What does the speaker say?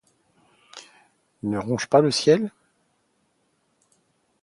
Ne ronge pas le ciel ?